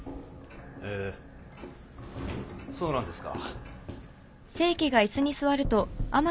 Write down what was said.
へえそうなんですか。